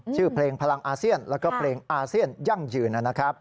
ชื่อเพลงพลังอาเซียนแล้วก็เพลงอาเซียนยั่งยืนนะครับ